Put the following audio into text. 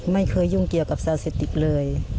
ไม่เคยยุ่งเกี่ยวกับศาสติภิพธิ์เลย